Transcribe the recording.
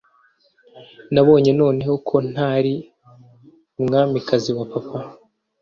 nabonye noneho ko ntari umwamikazi wa papa